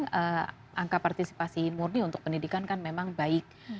pada saatnya kita partisipasi murni untuk pendidikan kan memang baik